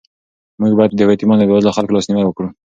موږ باید د یتیمانو او بېوزلو خلکو لاسنیوی وکړو.